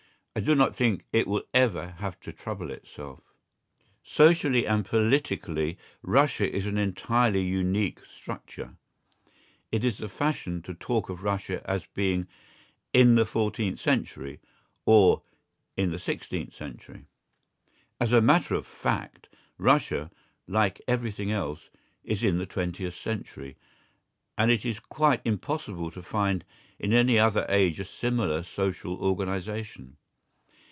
I do not think it will ever have to trouble itself. Socially and politically, Russia is an entirely unique structure. It is the fashion to talk of Russia as being "in the fourteenth century," or "in the sixteenth century." As a matter of fact, Russia, like everything else, is in the twentieth century, and it is quite impossible to find in any other age a similar social organisation.